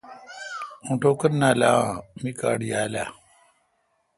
اوں ٹوکن نالاں آں می کارڈ یالہ؟